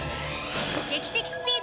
劇的スピード！